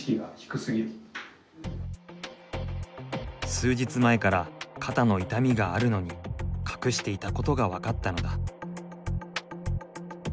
数日前から肩の痛みがあるのに隠していたことが分かったのだ。